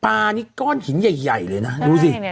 นี่ก้อนหินใหญ่เลยนะดูสิ